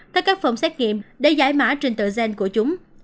theo các phòng xét nghiệm để giải mã trên tờ gen của chúng